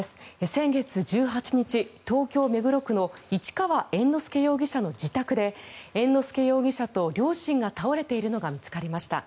先月１８日、東京・目黒区の市川猿之助容疑者の自宅で猿之助容疑者と両親が倒れているのが見つかりました。